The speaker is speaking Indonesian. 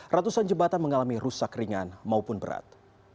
ratusan jembatan mengalami rusak ringan maupun berat